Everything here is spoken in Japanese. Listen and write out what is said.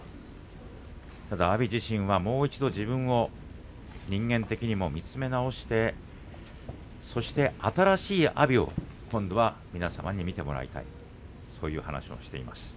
阿炎自身はもう一度自分を人間的にも見つめ直してそして新しい阿炎を今度は皆様に見てもらいたいそういう話もしています。